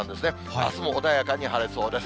あすも穏やかに晴れそうです。